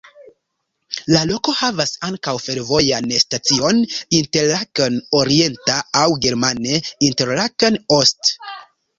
La loko havas ankaŭ fervojan stacion Interlaken orienta aŭ germane "Interlaken Ost.